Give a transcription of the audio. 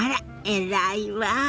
偉いわ。